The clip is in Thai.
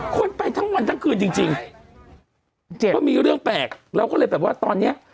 คนไปทั้งวันทั้งคืนจริงจริงเพราะมีเรื่องแปลกเราก็เลยแบบว่าตอนเนี้ย